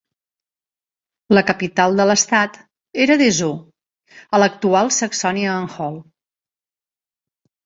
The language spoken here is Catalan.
La capital de l'estat era Dessau, a l'actual Saxònia-Anhalt.